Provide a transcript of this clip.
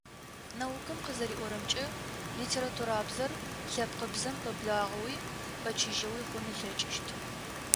Наукэм къызэриӏорэмкӏэ, литературабзэр лъэпкъыбзэм пэблагъэуи пэчыжьэуи хъун ылъэкӀыщт.